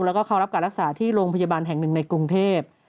แล้วก็เข้ารับการรักษาที่โรงพยาบาลแห่งหนึ่งในกรุงเทพ